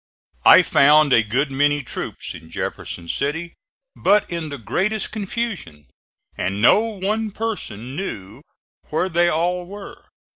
I found a good many troops in Jefferson City, but in the greatest confusion, and no one person knew where they all were.